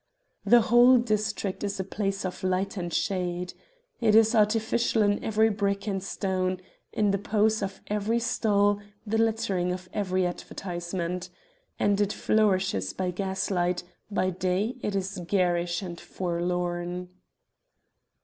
The whole district is a place of light and shade. It is artificial in every brick and stone, in the pose of every stall, the lettering of every advertisement. And it flourishes by gaslight; by day it is garish and forlorn.